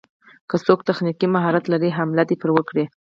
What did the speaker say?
که څوک تخنيکي مهارت لري حمله دې پرې وکړي.